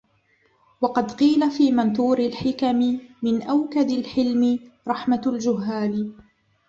وَقَدْ قِيلَ فِي مَنْثُورِ الْحِكَمِ مِنْ أَوْكَدِ الْحِلْمِ رَحْمَةُ الْجُهَّالِ